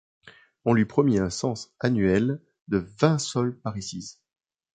On lui promit un cens annuel de vingt sols parisis.